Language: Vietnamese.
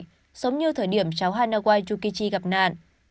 giống như thời điểm cháu hanawayukichi gặp nạn